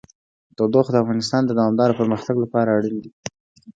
تودوخه د افغانستان د دوامداره پرمختګ لپاره اړین دي.